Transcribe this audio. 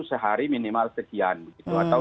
sehari minimal sekian atau